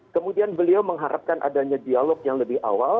kemudian beliau mengharapkan adanya dialog yang lebih awal